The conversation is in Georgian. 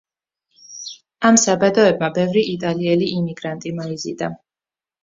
ამ საბადოებმა ბევრი იტალიელი იმიგრანტი მოიზიდა.